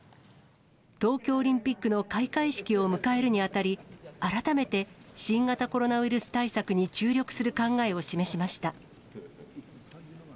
東京オリンピックの開会式を迎えるにあたり、改めて新型コロナウイルス対策に注力する考えを示しました。